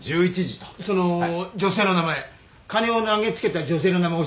その女性の名前金を投げつけた女性の名前教えてください。